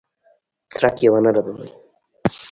څرک یې ونه لګاوه.